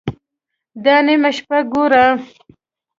_دا نيمه شپه ګوره!